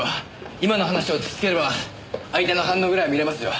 今の話を突きつければ相手の反応ぐらいは見れますよ。